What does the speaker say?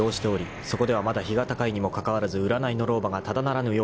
そこではまだ日が高いにもかかわらず占いの老婆がただならぬ妖気を垂れ流していた］